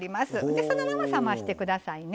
でそのまま冷まして下さいね。